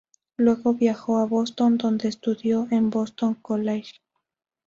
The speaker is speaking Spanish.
Luego viajó a Boston donde estudió en Boston College.